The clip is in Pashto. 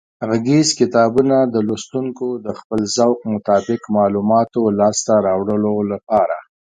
غږیز کتابونه د لوستونکو د خپل ذوق مطابق معلوماتو لاسته راوړلو لپاره